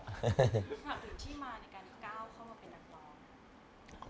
ฝากถึงที่มาในการก้าวเข้ามาเป็นนักร้อง